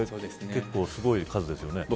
結構、すごい数ですよね。